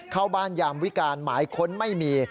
เข้าบ้านยามวิการหมายค้นไม่มี